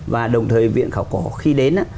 và đồng thời viện khảo cổ khi đến á